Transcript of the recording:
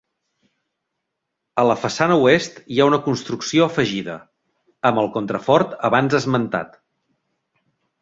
A la façana oest hi ha una construcció afegida, amb el contrafort abans esmentat.